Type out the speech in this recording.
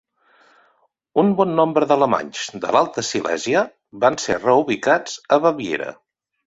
Un bon nombre d'alemanys de l'Alta Silèsia van ser reubicats a Baviera.